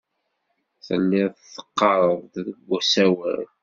Tellid teɣɣared-d deg usawal.